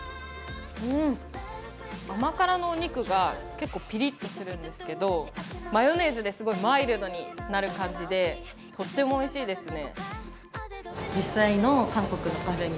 甘辛のお肉が結構、ピリッとするんですけどマヨネーズですごいマイルドになる感じでとってもおいしいですね。